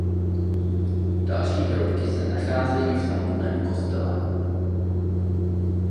Další hrobky se nacházejí v samotném kostele.